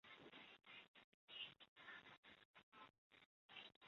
新维希尼奇是波兰的一座城市。